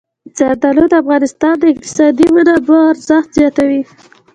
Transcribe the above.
زردالو د افغانستان د اقتصادي منابعو ارزښت زیاتوي.